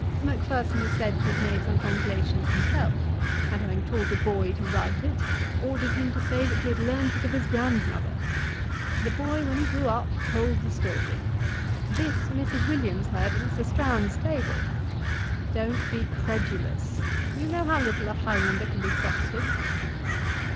'Macpherson is said to have made some translations himself; and having taught a boy to write it, ordered him to say that he had learnt it of his grandmother. The boy, when he grew up, told the story. This Mrs. Williams heard at Mr. Strahan's table. Don't be credulous; you know how little a Highlander can be trusted.